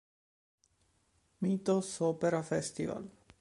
Mythos Opera Festival